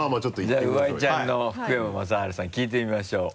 じゃあ上井ちゃんの福山雅治さん聴いてみましょう。